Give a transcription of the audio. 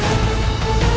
tidak ada yang bisa diberi